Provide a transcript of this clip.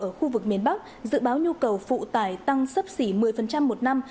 ở khu vực miền bắc dự báo nhu cầu phụ tải tăng sấp xỉ một mươi một năm